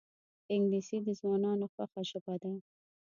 انګلیسي د ځوانانو خوښه ژبه ده